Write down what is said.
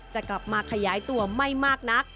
จะกลับมาขยายตัวไม่มากนัก